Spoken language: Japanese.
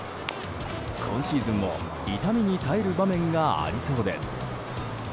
今シーズンも痛みに耐える場面がありそうです。